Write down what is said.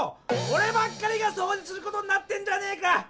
おればっかりがそうじすることになってんじゃねえか！